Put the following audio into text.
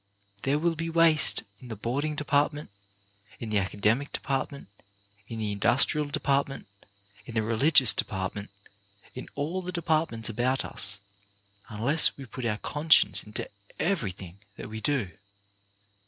There will be waste in the boarding department, in the academic department, in the industrial depart ment, in the religious department, in all the de partments about us, unless we put our conscience into everything that we do.